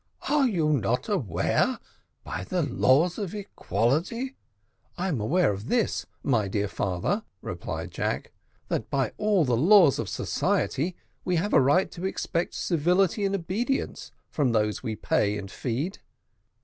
are you not aware by the laws of equality " "I am aware of this, my dear father," replied Jack, "that by all the laws of society we have a right to expect civility and obedience from those we pay and feed."